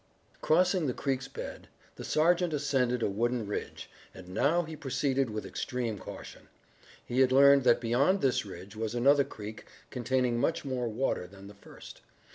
Crossing the creek's bed the sergeant ascended a wooded ridge, and now he proceeded with extreme caution. He had learned that beyond this ridge was another creek containing much more water than the first.